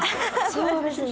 そうですね。